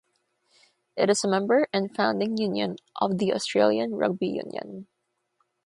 It is a member and founding union of the Australian Rugby Union.